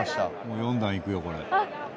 ４段いくよこれ。